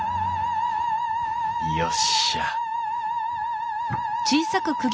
よっしゃあ